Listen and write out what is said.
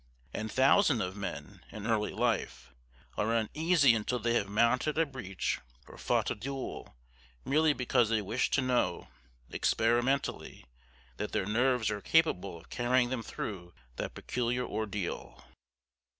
And thousand of men, in early life, are uneasy until they have mounted a breach, or fought a duel, merely because they wish to know, experimentally, that their nerves are capable of carrying them through that peculiar ordeal.